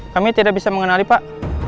kami tidak bisa mengenali pak